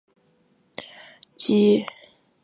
有研究提出双三嗪基吡啶。